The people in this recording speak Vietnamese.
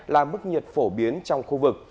là mức nhiệt phổ biến trong khu vực